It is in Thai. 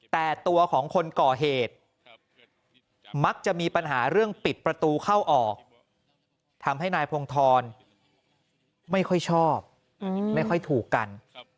แต่ตัวของคนก่อเหตุมักจะมีปัญหาเรื่องปิดประตูเข้าออกทำให้นายพงธรไม่ค่อยชอบไม่ค่อยถูกกัน